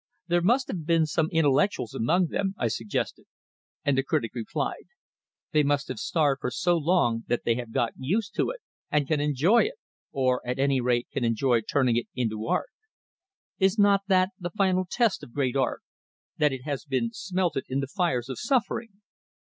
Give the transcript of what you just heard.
There must be some intellectuals among them, I suggested; and the critic replied: "They must have starved for so long that they have got used to it, and can enjoy it or at any rate can enjoy turning it into art. Is not that the final test of great art, that it has been smelted in the fires of suffering?